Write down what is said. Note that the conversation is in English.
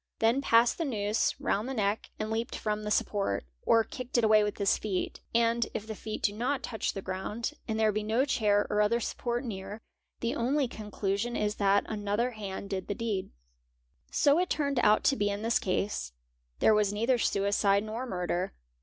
then passed the noose round the neck and leaped from he support, or kicked it away with his feet; and if the feet do not ouch the ground and there be no chair or other support near, the only ¢ clusion is that another hand did the deed. So it turned out to be in this case. There was neither suicide nor murder.